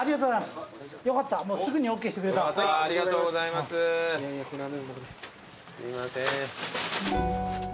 すいません。